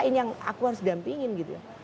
ini yang aku harus dampingin gitu ya